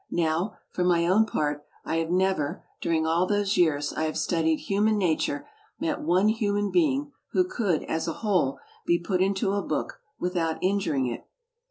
Now, for my own part, I have never, during all the years I have studied human nature, met one human being who could, as a whole, be put into a book without injuring it.